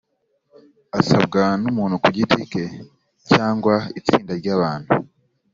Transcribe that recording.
asabwa n’umuntu ku giti ke cyangwa itsinda ry’abantu